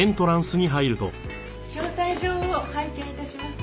招待状を拝見致します。